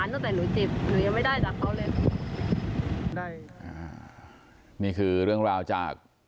ตั้งแต่หนูเจ็บหนูยังไม่ได้จากเขาเลยได้อ่านี่คือเรื่องราวจาก